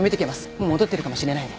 もう戻ってるかもしれないんで。